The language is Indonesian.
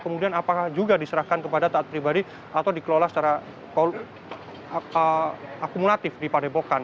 kemudian apakah juga diserahkan kepada taat pribadi atau dikelola secara akumulatif di padepokan